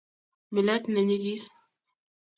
Milet ne nyigis